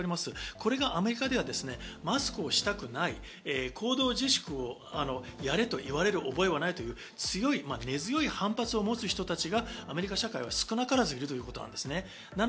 これがアメリカではマスクをしたくない、行動自粛をやれと言われる覚えはないという根強い反発を持つ人たちがアメリカ社会は少なからずいるということです。